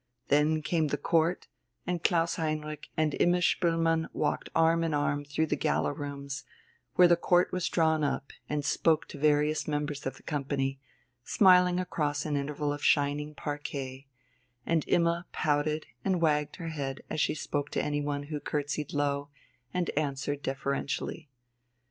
Then came the Court, and Klaus Heinrich and Imma Spoelmann walked arm in arm through the Gala Rooms, where the Court was drawn up, and spoke to various members of the company, smiling across an interval of shining parquet; and Imma pouted and wagged her head as she spoke to anyone who curtsied low and answered deferentially.